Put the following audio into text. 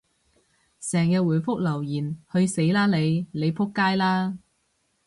成日回覆留言，去死啦你！你仆街啦！